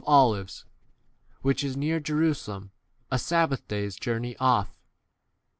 Olives, which is near Jerusalem, a 13 sabbath day's journey off.